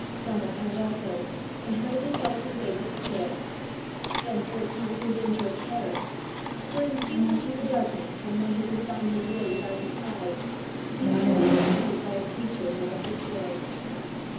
Donal turned also, and hurriedly felt his way to the stair. Then first he was in danger of terror; for in stealing through the darkness from one who could find his way without his eyes, he seemed pursued by a creature not of this world.